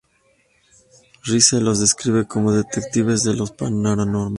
Rice los describe como "Detectives de lo paranormal".